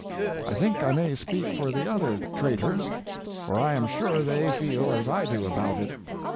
I think 1 may speak for the other Traitors, for I am sure they feel as I do about it.